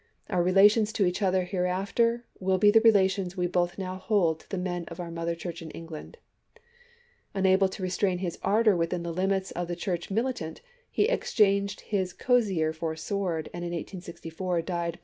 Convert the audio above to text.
.. Our relations to each other hereafter will be the relations we both now hold to the men of our mother Church in England." Unable to restrain his ardor within the limits of the Church militant, he exchanged his crozier for a sword, and in 1864 died by a cannon shot on the Georgia hills.